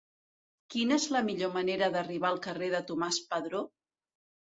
Quina és la millor manera d'arribar al carrer de Tomàs Padró?